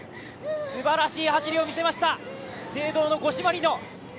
すばらしい走りを見せました、資生堂の五島莉乃。